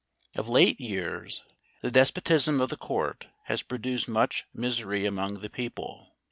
Of late years, the despotism of the Court has produced much mi¬ sery among the people.